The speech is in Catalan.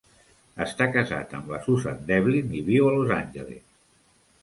Està casat amb la Susan Devlin i viu a Los Angeles.